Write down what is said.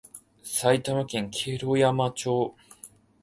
埼玉県毛呂山町